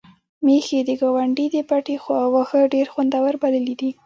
میښې د ګاونډي د پټي واښه ډېر خوندور بللي دي.